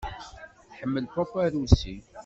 Tḥemmel pop arusi.